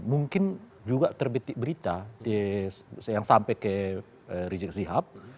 mungkin juga terbitik berita yang sampai ke rizik sihab